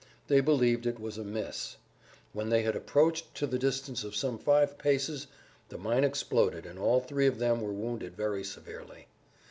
They believed it was a miss. When they had approached to the distance of some five paces the mine exploded and all three of them were wounded very severely.